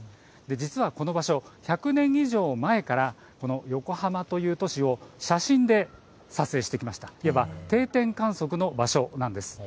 実はこの場所１００年以上前からこの横浜という都市を写真で撮影してきました定点観測の場所なんです。